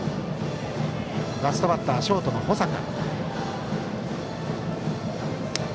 ラストバッター、ショートの保坂。